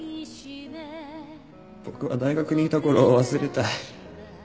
僕は大学にいた頃を忘れたい。